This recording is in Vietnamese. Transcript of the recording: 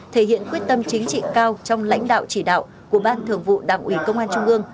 thể hiện quyết tâm chính trị cao trong lãnh đạo chỉ đạo của ban thường vụ đảng ủy công an trung ương